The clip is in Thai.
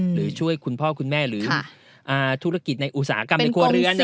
หรือช่วยคุณพ่อคุณแม่หรือธุรกิจในอุตสาหกรรมในครัวเรือน